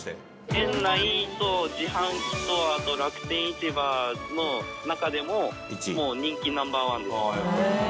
「店内と自販機とあと楽天市場の中でも人気ナンバーワンですね」